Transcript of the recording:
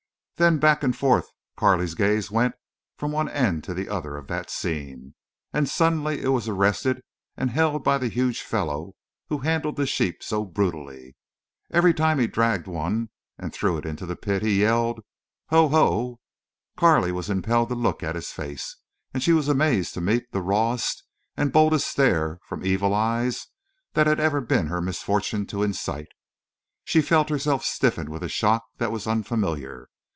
Then back and forth Carley's gaze went from one end to the other of that scene. And suddenly it was arrested and held by the huge fellow who handled the sheep so brutally. Every time he dragged one and threw it into the pit he yelled: "Ho! Ho!" Carley was impelled to look at his face, and she was amazed to meet the rawest and boldest stare from evil eyes that had ever been her misfortune to incite. She felt herself stiffen with a shock that was unfamiliar.